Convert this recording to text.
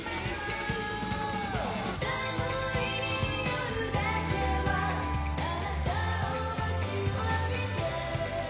「寒い夜だけはあなたを待ちわびて」